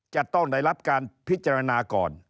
จะต้องได้รับการพิจารณาก่อน